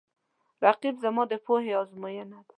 رقیب زما د پوهې آزموینه ده